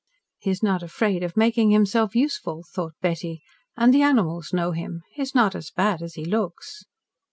"He is not afraid of making himself useful," thought Betty. "And the animals know him. He is not as bad as he looks."